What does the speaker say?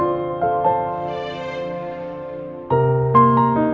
aku gak bisa tidur semalaman